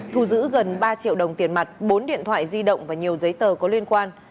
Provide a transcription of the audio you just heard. thu giữ gần ba triệu đồng tiền mặt bốn điện thoại di động và nhiều giấy tờ có liên quan